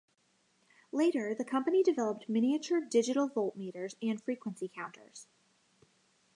Later the company developed miniature digital voltmeters and frequency counters.